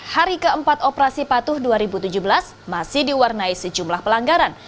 hari keempat operasi patuh dua ribu tujuh belas masih diwarnai sejumlah pelanggaran